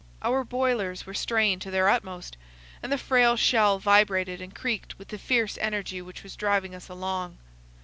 Our boilers were strained to their utmost, and the frail shell vibrated and creaked with the fierce energy which was driving us along.